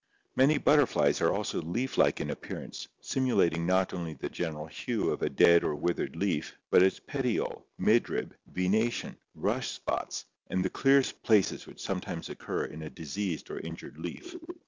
Many butterflies are also leaf like in appearance, simulating not only the general hue of a dead or withered leaf but its petiole, midrib, venation, rust spots, and the clear places which sometimes occur in a diseased or injured leaf.